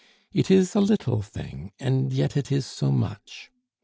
It is a little thing, and yet it is so much.